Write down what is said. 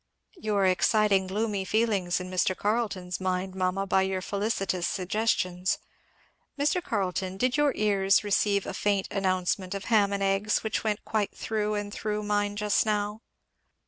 "You are exciting gloomy feelings in Mr. Carleton's mind, mamma, by your felicitous suggestions. Mr. Carleton, did your ears receive a faint announcement of ham and eggs which went quite through and through mine just now?"